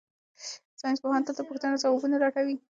ساینس پوهان تل د پوښتنو ځوابونه لټوي.